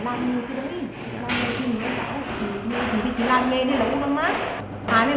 bây giờ chưa kiếm nghề chỉ làm chỉ làm chỉ làm chỉ làm